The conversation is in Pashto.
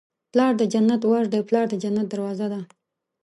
پلار د جنت ور دی. پلار د جنت دروازه ده